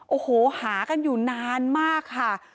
โอ้โหหากันอยู่นานมากค่ะ